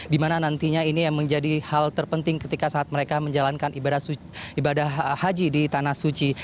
dimana nantinya ini yang menjadi hal terpenting ketika saat mereka menjalankan ibadah haji di tanah suci